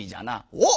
「おっ！